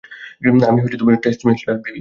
আমি test match player, baby.